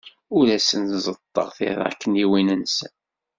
Ur asen-ẓeṭṭeɣ tiṛakniwin-nsen.